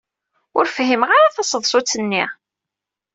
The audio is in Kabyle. Ur fhiment ara taseḍsut-nni.